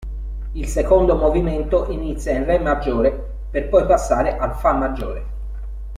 Il secondo movimento inizia in re maggiore, per poi passare al fa maggiore.